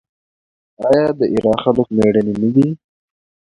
آیا د ایران خلک میړني نه دي؟